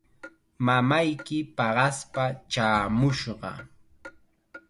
Mamayki paqaspa chaamushqa.